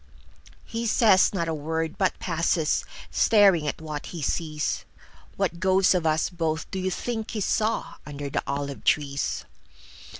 He says not a word, but passes, Staring at what he sees. What ghost of us both do you think he sawUnder the olive trees?